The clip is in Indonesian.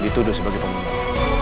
dituduh sebagai pembunuh